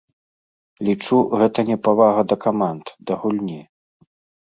Лічу, гэта непавага да каманд, да гульні.